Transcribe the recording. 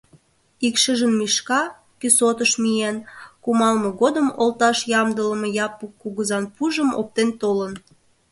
Ик шыжым Мишка, кӱсотыш миен, кумалме годым олташ ямдылыме Япык кугызан пужым оптен толын.